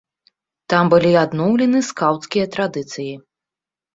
Там былі адноўлены скаўцкія традыцыі.